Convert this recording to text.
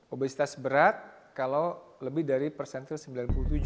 obesitas berat kalau lebih dari persenvil sembilan puluh tujuh